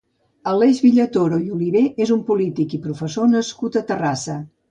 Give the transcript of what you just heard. Aleix Villatoro i Oliver és un polític i professor nascut a Terrassa.